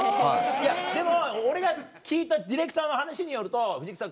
いやでも俺が聞いたディレクターの話によると「藤木さん